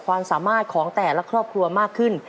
ความสามารถของแต่ละครอบครัวมากขึ้น